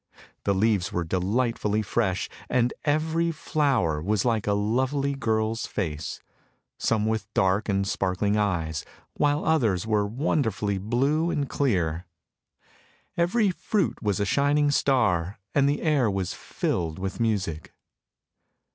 The leaves were delightfully fresh, and every flower was like a lovely girl's face, some with dark and sparkling eyes, while others were wonderfully blue and clear. Every fruit was a shining star and the air was filled with music.